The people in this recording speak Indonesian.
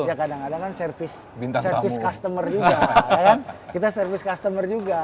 ya kadang kadang kan service customer juga kita service customer juga